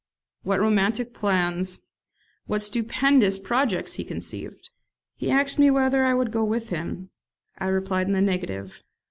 What romantic plans, what stupendous projects he conceived! He asked me whether I would go with him? I replied in the negative.